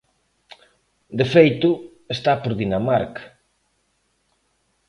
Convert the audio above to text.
De feito, está por Dinamarca.